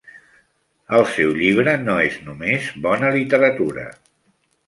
El seu llibre no és només bona literatura.